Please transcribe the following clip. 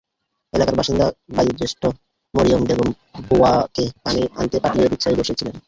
এলাকার বাসিন্দা বয়োজ্যেষ্ঠ মরিয়ম বেগম বুয়াকে পানি আনতে পাঠিয়ে রিকশায় বসে ছিলেন।